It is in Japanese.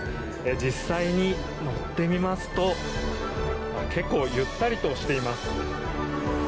実際に乗ってみますと結構ゆったりとしています。